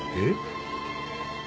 えっ？